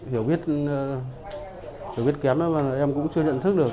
hiểu biết kém em cũng chưa nhận thức được